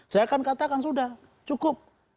saya akan katakan sudah cukup